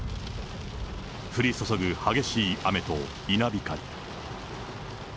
降り注ぐ激しい雨と稲光。